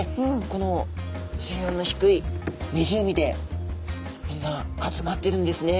この水温の低い湖でみんな集まってるんですね。